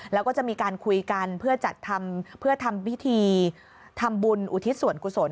แล้วก็จะมีการคุยกันเพื่อทำพิธีทำบุญอุทิศสวนกุศล